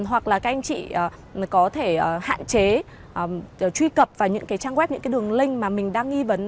hoặc là các anh chị có thể hạn chế truy cập vào những cái trang web những cái đường link mà mình đang nghi vấn